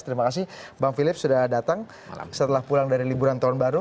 terima kasih bang philip sudah datang setelah pulang dari liburan tahun baru